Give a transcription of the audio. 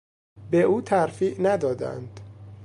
به او ترفیع ندادند.